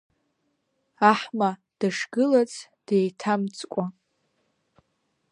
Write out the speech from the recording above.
Аҳма дышгылац, деиҭамҵкәа.